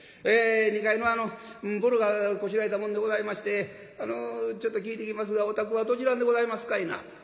２階のあのぼろがこしらえたもんでございましてあのちょっと聞いてきますがお宅はどちらはんでございますかいな？」。